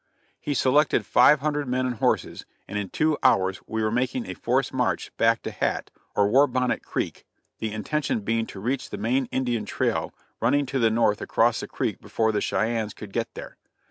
He selected five hundred men and horses, and in two hours we were making a forced march back to Hat, or War Bonnet Creek the intention being to reach the main Indian trail running to the north across that creek before the Cheyennes could get there.